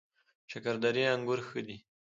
شکردرې انګور ښه دي؟